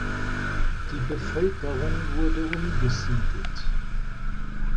Die Bevölkerung wurde umgesiedelt.